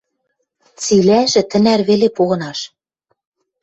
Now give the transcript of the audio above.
Цилӓжӹ тӹнӓр веле погынаш...